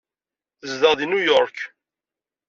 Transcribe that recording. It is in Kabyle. Tezdeɣ deg New York.